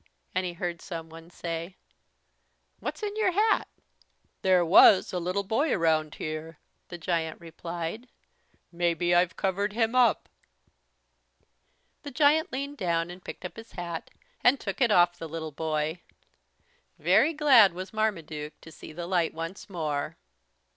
And he heard someone say: "What's in your hat?" "There was a little boy around here," the giant replied. "Maybe I've covered him up." The giant leaned down and picked up his hat, and took it off the little boy. Very glad was Marmaduke to see the light once more.